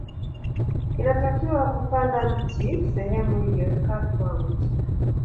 Inatakiwa kupanda mti sehemu iliyokatwa mti